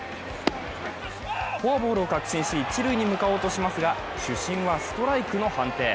フォアボールを確信し、一塁に向かおうとしますが、主審はストライクの判定。